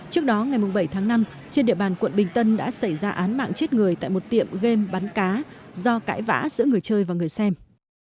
trước đó ngày bảy tháng năm trên địa bàn quận bình tân đã xảy ra án mạng chết người tại một tiệm game bắn cá do cãi vã giữa người chơi và người xem